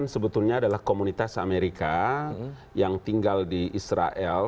saya tidak mengingatkan mereka yang tinggal di israel